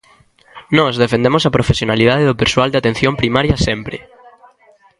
Nós defendemos a profesionalidade do persoal de atención primaria sempre.